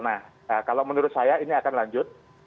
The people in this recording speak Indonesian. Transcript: nah kalau menurut saya ini akan lanjut